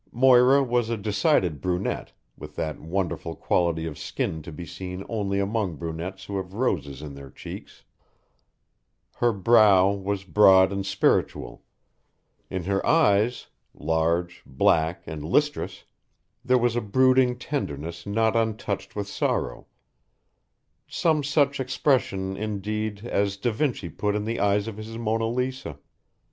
Moira was a decided brunette, with that wonderful quality of skin to be seen only among brunettes who have roses in their cheeks; her brow was broad and spiritual; in her eyes, large, black, and listrous, there was a brooding tenderness not untouched with sorrow some such expression, indeed, as da Vinci put in the eyes of his Mona Lisa.